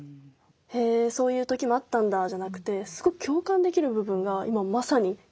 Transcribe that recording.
へそういう時もあったんだじゃなくてすごく共感できる部分が今まさにきてますね。